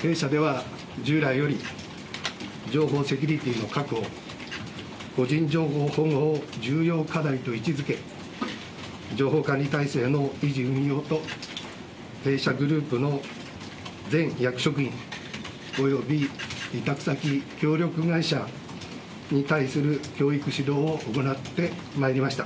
弊社では従来より、情報セキュリティーの確保、個人情報保護を重要課題と位置づけ、情報管理体制の維持運用と弊社グループの全役職員および委託先協力会社に対する教育指導を行ってまいりました。